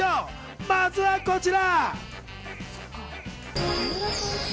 まずはこちら。